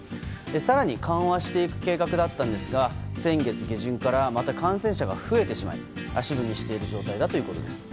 更に緩和していく計画だったんですが先月下旬からまた感染者が増えてしまい足踏みしている状態だということです。